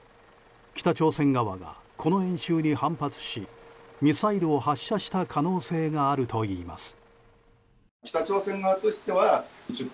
北朝鮮側がこの演習に反発しミサイルを発射した可能性があるといいます。